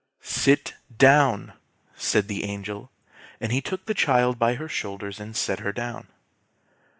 "SIT DOWN!" said the Angel; and he took the child by her shoulders and set her down.